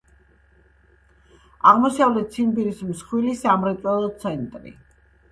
აღმოსავლეთ ციმბირის მსხვილი სამრეწველო ცენტრი.